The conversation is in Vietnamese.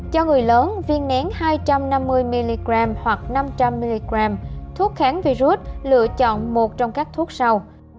cho người lớn viên nén hai trăm năm mươi mg hoặc năm trăm linh mg thuốc kháng virus lựa chọn một trong các thuốc sau